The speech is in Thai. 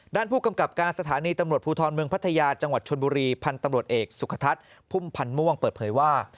ด้านผู้กำกับการสถานีตำรวจภูทรเมืองพัทยาจังหวัดชนบุรีพันธ์ตำรวจเอกสุขทัศน์พุ่มพันธ์ม่วงเปิดเผยว่า